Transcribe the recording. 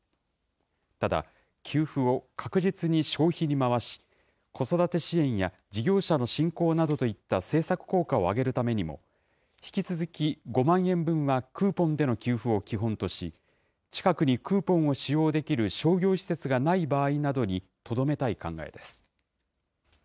ただ、給付を確実に消費に回し、子育て支援や事業者の振興などといった政策効果を上げるためにも、引き続き５万円分はクーポンでの給付を基本とし、近くにクーポンを使用できる商業施設がない場合などにとどめたい考えです。